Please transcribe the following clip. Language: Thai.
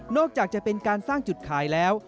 จะเป็นการสร้างจุดขายแล้ว